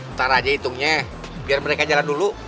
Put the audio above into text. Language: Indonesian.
ntar aja hitungnya biar mereka jalan dulu